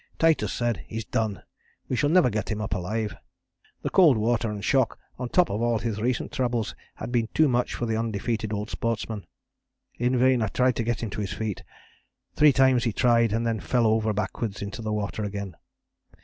Titus said: 'He's done; we shall never get him up alive.' The cold water and shock on top of all his recent troubles, had been too much for the undefeated old sportsman. In vain I tried to get him to his feet; three times he tried and then fell over backwards into the water again.